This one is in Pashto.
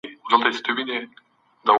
هیڅوک باید په رایو کي درغلي ونه کړي.